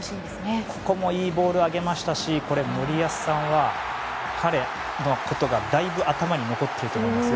ここもいいボール上げましたし森保さんは彼のことがだいぶ頭に残ってると思います。